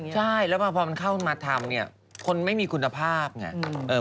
ใช่แล้วพอเข้ามาทำคนไม่มีคุณภาพไง